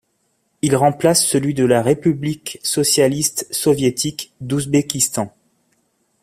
Il remplace celui de la république socialiste soviétique d'Ouzbékistan.